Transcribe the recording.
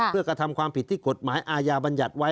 เพื่อกระทำความผิดที่กฎหมายอาญาบัญญัติไว้